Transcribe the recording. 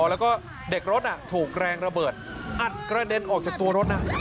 แล้วก็เด็กรถถูกแรงระเบิดอัดกระเด็นออกจากตัวรถนะ